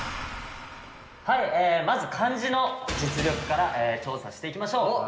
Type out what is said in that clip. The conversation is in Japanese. はいまず漢字の実力から調査していきましょう。